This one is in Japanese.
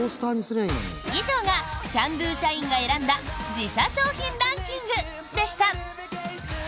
以上がＣａｎ★Ｄｏ社員が選んだ自社商品ランキングでした。